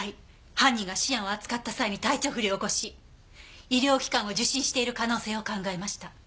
犯人がシアンを扱った際に体調不良を起こし医療機関を受診している可能性を考えました。